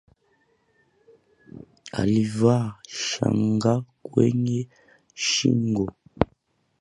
Alivaa shanga kwenye shingo